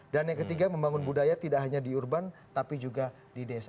dan yang ketiga membangun budaya tidak hanya di urban tapi juga di desa